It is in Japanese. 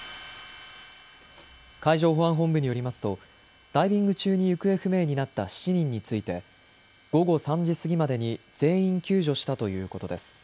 海上保安本部によりますとダイビング中に行方不明になった７人について午後３時過ぎまでに全員救助したということです。